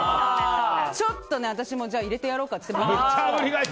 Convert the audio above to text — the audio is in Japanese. ちょっと私も入れてやろうかと思って。